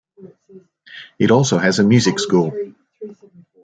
It also has a music school.